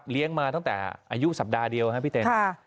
มาตั้งแต่อายุสัปดาห์เดียวครับพี่เต้น